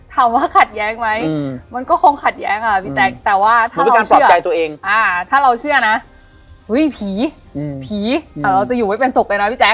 ถามว่าขัดแย้งมั้ยมันก็คงขัดแย้งอ่ะพี่แจ๊กแต่ว่าถ้าเราเชื่อถ้าเราเชื่อนะพี่ผีเราจะอยู่ไม่เป็นสุขเลยนะพี่แจ๊ก